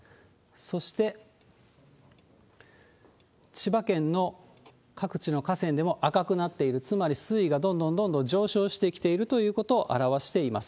そして、千葉県の各地の河川でも赤くなっている、つまり水位がどんどんどんどん上昇してきているということを表しています。